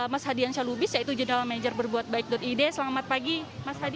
mas hadian syah lubis yaitu general manager berbuatbaik id selamat pagi mas hadi